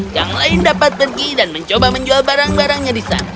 yang lain dapat pergi dan mencoba menjual barang barangnya di sana